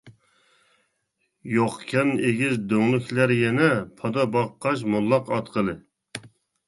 يوقكەن ئېگىز دۆڭلۈكلەر يەنە، پادا باققاچ موللاق ئاتقىلى.